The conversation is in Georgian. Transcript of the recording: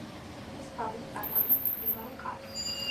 ტბის ქვაბული წარმოადგენს მყინვარულ კარს.